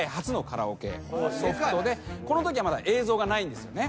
このときはまだ映像がないんですよね。